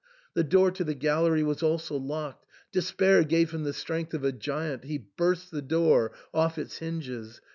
The door to the gallery was also locked. Despair gave him the strength of a giant ; he burst the door off its hinges.